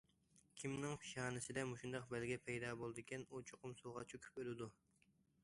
كىمنىڭ پېشانىسىدە مۇشۇنداق بەلگە پەيدا بولىدىكەن، ئۇ چوقۇم سۇغا چۆكۈپ ئۆلىدۇ.